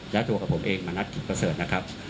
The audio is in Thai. และตัวของผมเองมานัดกิจเกษิญนะครับ